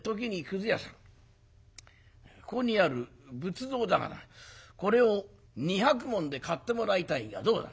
ここにある仏像だがなこれを二百文で買ってもらいたいがどうだ？」。